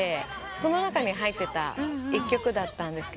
その中に入ってた一曲だったんです。